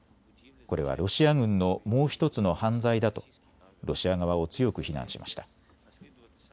これはロシア軍のもう１つの犯罪だとロシア側を強く非難しました。